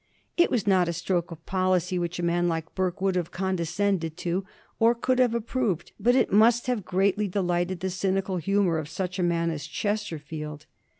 It was not a stroke of policy which a man like Burke would have condescended to or could have approved ; but it must have greatly delighted the cynical humor of such a man as Chesterfield.